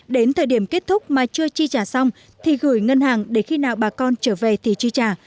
đến thời điểm kết thúc mà chưa chi trả xong thì gửi ngân hàng để khi nào bà con trở về thì chi trả